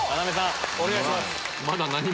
お願いします。